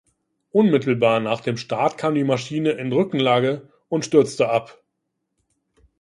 Unmittelbar nach dem Start kam die Maschine in Rückenlage und stürzte ab.